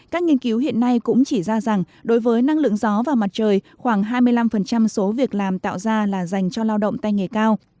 các nghiên cứu hiện nay cũng chỉ ra rằng đối với năng lượng gió và mặt trời khoảng hai mươi năm số việc làm tạo ra là dành cho lao động tay nghề cao